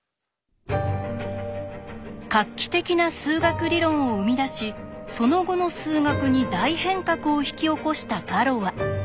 画期的な数学理論を生み出しその後の数学に大変革を引き起こしたガロア。